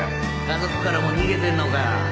家族からも逃げてんのか